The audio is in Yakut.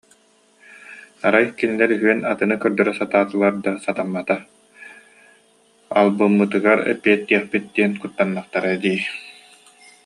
Арай кинилэр үһүөн атыны көрдөрө сатаатылар да, сатаммата, албыммытыгар эппиэттиэхпит диэн куттаннахтара дии